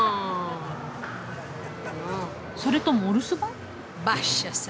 それともお留守番？